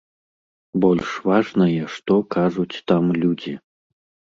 Больш важнае, што кажуць там людзі.